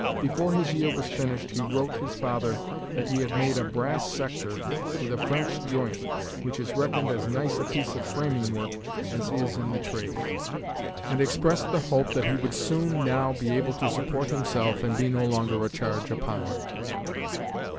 Before his year was finished he wrote his father that he had made "a brass sector with a French joint, which is reckoned as nice a piece of framing work as is in the trade," and expressed the hope that he would soon now be able to support himself and be no longer a charge upon him.